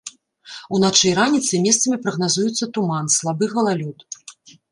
Уначы і раніцай месцамі прагназуецца туман, слабы галалёд.